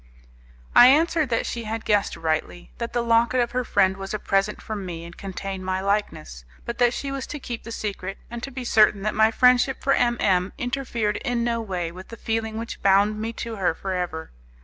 I answered that she had guessed rightly, that the locket of her friend was a present from me and contained my likeness, but that she was to keep the secret, and to be certain that my friendship for M M interfered in no way with the feeling which bound me to her for ever.